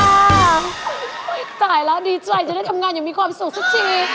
ตายแล้วดีใจจะได้ทำงานอย่างมีความสุขสักที